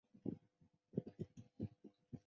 干草市场车站是苏格兰第八繁忙的车站。